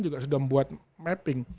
juga sudah membuat mapping